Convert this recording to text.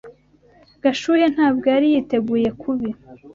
Gashuhe ntabwo yari yiteguye kubi.